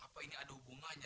apa ini ada hubungannya